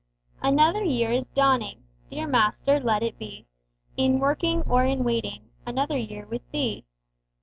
Another year is dawning! Dear Master, let it be In working or in waiting, Another year with Thee.